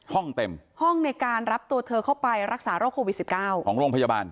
ห้องเต็มห้องในการรับตัวเธอเข้าไปรักษาโรคโควิด๑๙ของโรงพยาบาล